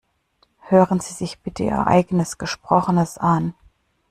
Hören Sie sich bitte Ihr eigenes Gesprochenes an.